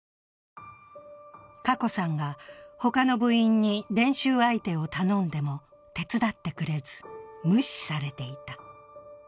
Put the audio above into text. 華子さんが他の部員に練習相手を頼んでも、手伝ってくれず、無視されていた。